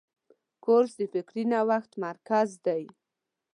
کورس د فکري نوښت مرکز دی.